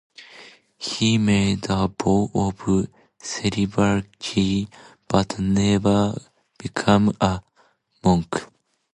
He made a vow of celibacy, but never became a monk.